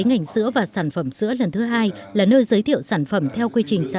ngành sữa và sản phẩm sữa việt nam dari hai nghìn một mươi chín